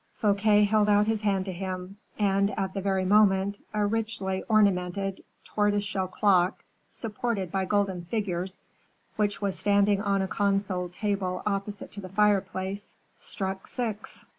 Fouquet held out his hand to him, and, at the very moment, a richly ornamented tortoise shell clock, supported by golden figures, which was standing on a console table opposite to the fireplace, struck six.